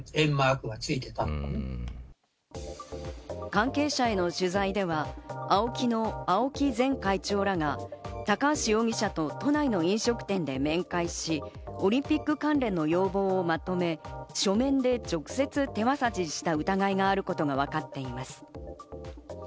関係者への取材では、ＡＯＫＩの青木前会長らが高橋容疑者と都内の飲食店で面会し、オリンピック関連の要望をまとめ書面で直接手渡しした疑いがあることがわかっています。